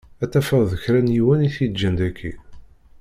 Ad tafeḍ d kra n yiwen i t-yeǧǧan daki.